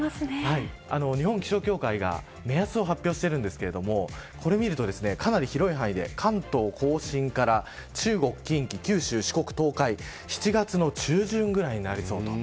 日本気象協会が目安を発表してるんですけれどもこれを見ると、かなり広い範囲で関東甲信から中国、近畿九州、四国、東海７月の中旬ぐらいになりそう。